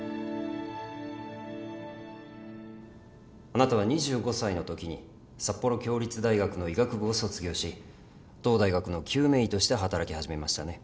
あなたは２５歳のときに札幌共立大学の医学部を卒業し同大学の救命医として働き始めましたね？